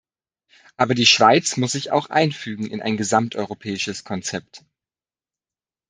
Aber die Schweiz muss sich auch einfügen in ein gesamteuropäisches Konzept.